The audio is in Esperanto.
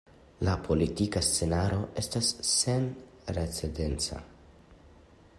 La politika scenaro estas senprecedenca.